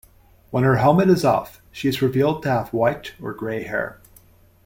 When her helmet is off, she is revealed to have white or grey hair.